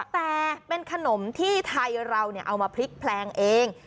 แต่เป็นขนมที่ไทยเราเอามาพลิกแพลงเอง